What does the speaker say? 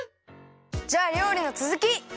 じゃありょうりのつづき！